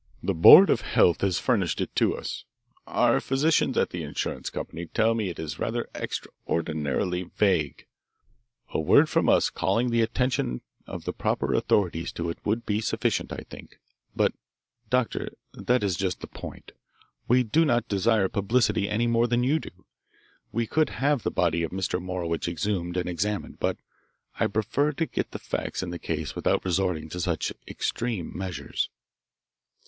"The Board of Health has furnished it to us. Our physicians at the insurance company tell me it is rather extraordinarily vague. A word from us calling the attention of the proper authorities to it would be sufficient, I think. But, Doctor, that is just the point. We do not desire publicity any more than you do. We could have the body of Mr. Morowitch exhumed and examined, but I prefer to get the facts in the case without resorting to such extreme measures."